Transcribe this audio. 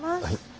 はい。